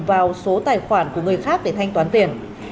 vào số tài khoản của người khác để thanh toán tiền